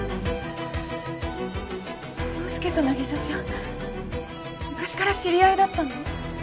陽佑と凪沙ちゃん昔から知り合いだったの？